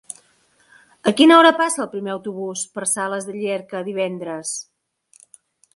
A quina hora passa el primer autobús per Sales de Llierca divendres?